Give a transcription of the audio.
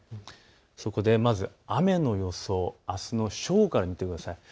そこでまず雨の予想、あすの正午から見てください。